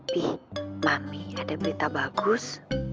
bi mami ada berita bagus